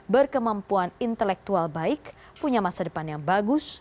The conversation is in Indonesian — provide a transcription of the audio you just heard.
berkemampuan intelektual baik punya masa depan yang bagus